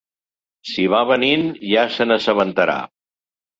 Si va venint ja se n'assabentarà.